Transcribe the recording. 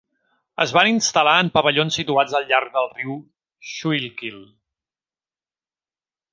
Es van instal·lar en pavellons situats al llarg del riu Schuylkill.